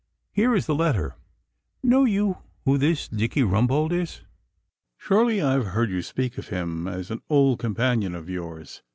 Here is the letter. Know you who this Dicky Rumbold is?' 'Surely I have heard you speak of him as an old companion of yours.